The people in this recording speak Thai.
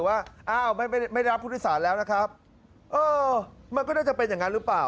อ้าวไม่รับพฤษศาลแล้วนะครับเออมันก็ได้จะเป็นอย่างนั้นหรือเปล่า